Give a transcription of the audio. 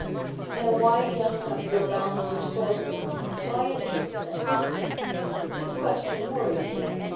In a wide young country of boundless resources, why is this thing? This question worried me.